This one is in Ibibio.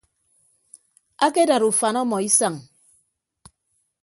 Akedad ufan ọmọ isañ.